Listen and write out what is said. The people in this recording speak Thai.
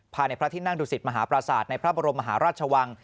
ภายในพระที่นั่งดุสิตมหาประสาทในพระบรมมหาราชวัง